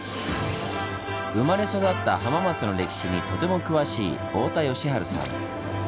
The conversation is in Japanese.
生まれ育った浜松の歴史にとても詳しい太田好治さん。